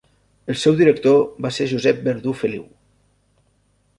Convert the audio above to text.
El seu director va ser Josep Verdú Feliu.